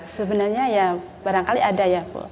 sebenarnya ya barangkali ada ya bu